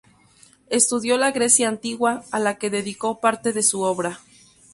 Estudió la Grecia antigua, a la que dedicó parte de su obra.